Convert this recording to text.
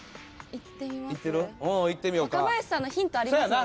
若林さんのヒントありますもんね。